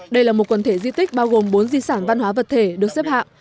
đây là một quần thể di tích bao gồm bốn di sản văn hóa vật thể được xếp hạng